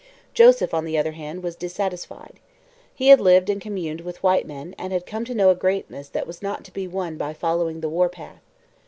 Joseph, on the other hand, was dissatisfied. He had lived and communed with white men and had come to know a greatness that was not to be won by following the war path.